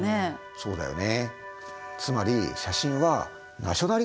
そうだよね。